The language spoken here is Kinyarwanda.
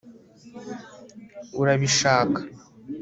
urabishaka